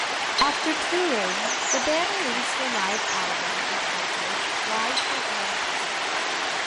After touring, the band released a live album entitled "Live Progression".